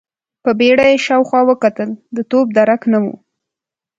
په بيړه يې شاوخوا وکتل، د توپ درک نه و.